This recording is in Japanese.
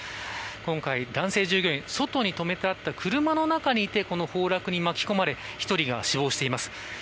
今回、男性従業員外に止めてあった車の中にいてこの崩落に巻き込まれ１人が死亡しています。